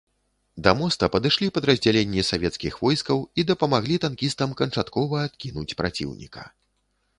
Да моста падышлі падраздзяленні савецкіх войскаў і дапамаглі танкістам канчаткова адкінуць праціўніка.